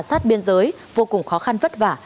sát biên giới vô cùng khó khăn vất vả